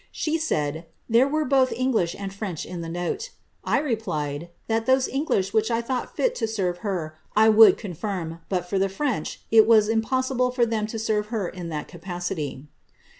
She said, * there were both Eugliah and French in the note.' I replied, * t}iat those English which I thought fit to serve her, I would confirm ; but for the French, it was impossible for them to serve her in that capacity.'